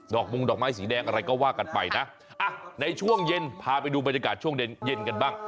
มงดอกไม้สีแดงอะไรก็ว่ากันไปนะอ่ะในช่วงเย็นพาไปดูบรรยากาศช่วงเย็นเย็นกันบ้าง